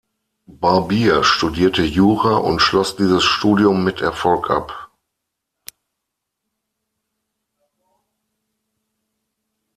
Barbier studierte Jura und schloss dieses Studium mit Erfolg ab.